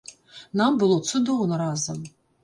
Нам было цудоўна разам.